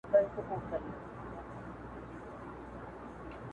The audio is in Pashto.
څلور کاله مخکې